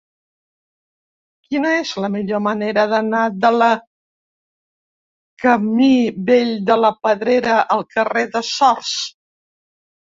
Quina és la millor manera d'anar de la camí Vell de la Pedrera al carrer de Sors?